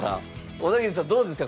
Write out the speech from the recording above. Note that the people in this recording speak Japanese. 小田桐さんどうですか？